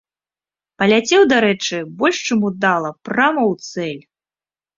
Паляцеў, дарэчы, больш чым удала прама ў цэль.